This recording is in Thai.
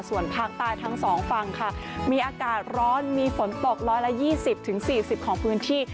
ส่วนภาคใต้ทั้งสองฝั่งค่ะมีอากาศร้อนมีฝนตก๑๒๐๔๐ของพื้นที่